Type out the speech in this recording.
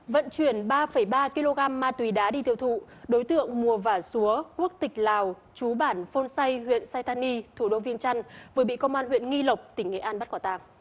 vận chuyển ba ba kg ma túy đá đi tiêu thụ đối tượng mùa vả xúa quốc tịch lào chú bản phôn say huyện saytani thủ đô viên trăn vừa bị công an huyện nghi lộc tỉnh nghệ an bắt quả tàng